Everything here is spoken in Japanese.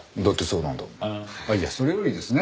いやそれよりですね